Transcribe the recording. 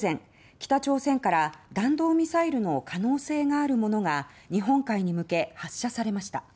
北朝鮮から弾道ミサイルの可能性があるものが日本海に向け発射されました。